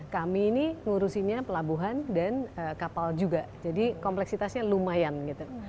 kami ini ngurusinnya pelabuhan dan kapal juga jadi kompleksitasnya lumayan gitu